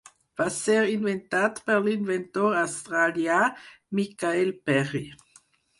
Va ser inventat per l'inventor australià Michael Perry.